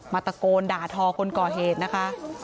ตะโกนด่าทอคนก่อเหตุนะคะ